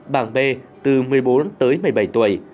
bảng b từ một mươi bốn tới một mươi bảy tuổi